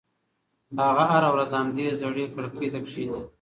هغه هره ورځ همدې زړې کړکۍ ته کښېني.